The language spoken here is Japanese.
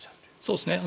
そうですね。